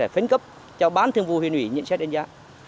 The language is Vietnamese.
phân cấp cho ban thường vụ huyền ủy nhận xét đánh giá